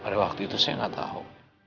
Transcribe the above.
pada waktu itu saya gak tau